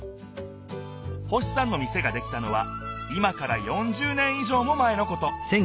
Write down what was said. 星さんの店ができたのは今から４０年い上も前のこと。